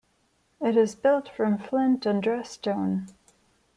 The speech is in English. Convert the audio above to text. It is built from flint and dressed stone.